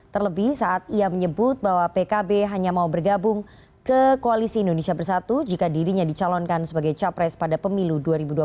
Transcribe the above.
terlebih saat ia menyebut bahwa pkb hanya mau bergabung ke koalisi indonesia bersatu jika dirinya dicalonkan sebagai capres pada pemilu dua ribu dua puluh